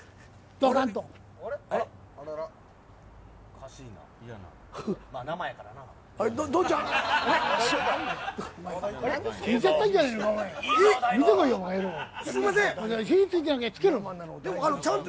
ドカンと。